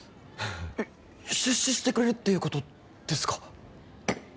えっ出資してくれるっていうことですか？